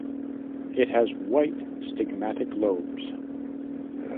It has white stigmatic lobes.